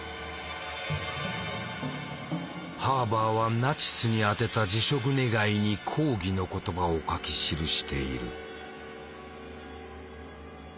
ハーバーはナチスに宛てた辞職願に抗議の言葉を書き記している。